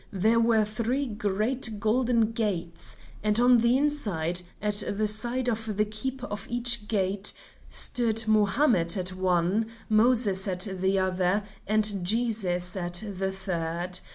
There were three great golden gates, and on the inside, at the side of the keeper of each gate, stood Mohammed at one, Moses at the other, and Jesus at the third.